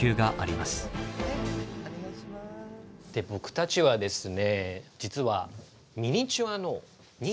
僕たちはですね